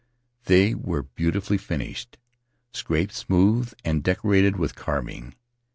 They were beautifully finished — scraped smooth and decorated with carving.